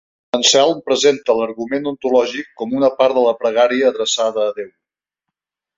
Anselm presenta l'argument ontològic com una part de la pregària adreçada a Déu.